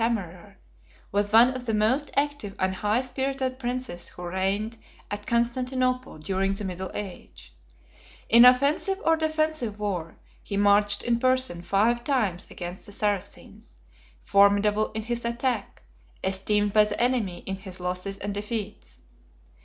] The emperor Theophilus, son of Michael the Stammerer, was one of the most active and high spirited princes who reigned at Constantinople during the middle age. In offensive or defensive war, he marched in person five times against the Saracens, formidable in his attack, esteemed by the enemy in his losses and defeats.